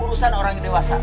urusan orang dewasa